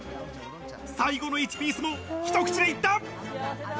最後の１ピースも一口で行った！